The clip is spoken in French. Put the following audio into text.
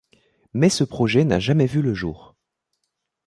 Mais ce projet n'a jamais vu le jour.